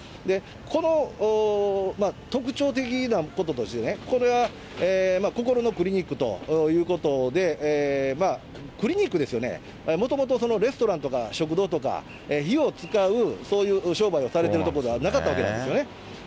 この特徴的なこととしてね、これは、こころのクリニックということで、クリニックですよね、もともとレストランとか、食堂とか、火を使うそういう商売をされている所ではなかったわけなんですよね。